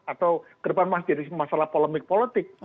atau ke depan masih jadi masalah polemik politik